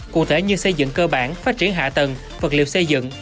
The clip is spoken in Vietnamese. cụ thể như xây dựng cơ bản phát triển hạ tầng vật liệu xây dựng